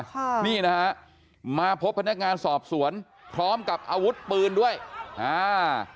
ค่ะนี่นะฮะมาพบพนักงานสอบสวนพร้อมกับอาวุธปืนด้วยอ่า